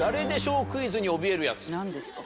何ですか？